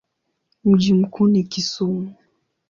Mji mkuu ni Kisumu.